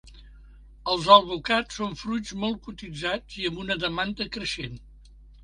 Els alvocats són fruits molt cotitzats i amb una demanda creixent.